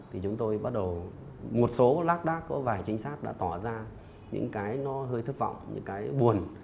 thì chúng tôi bắt đầu một số lác đác có vài trinh sát đã tỏ ra những cái nó hơi thất vọng những cái buồn